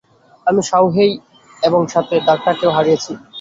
আমরা শাওহেই এবং সাথে দ্বারটাকেও হারিয়েছি।